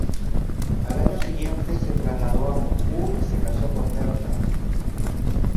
Al año siguiente se trasladó a Moscú y se casó con Bertha.